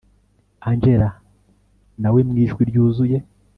angella nawe mwijwi ryuzuye